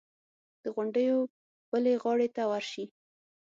د غونډیو بلې غاړې ته ورشي.